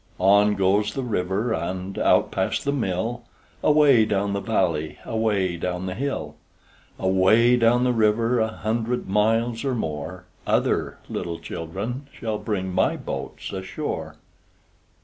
On goes the river And out past the mill, Away down the valley, Away down the hill. Away down the river, A hundred miles or more, Other little children Shall bring my boats ashore.